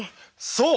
そう！